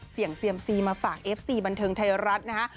เซียมซีมาฝากเอฟซีบันเทิงไทยรัฐนะฮะ